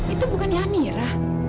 itu bukannya amira